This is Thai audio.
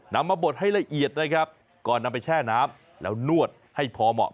นำมาบดให้ละเอียดนะครับก่อนนำไปแช่น้ำแล้วนวดให้พอเหมาะ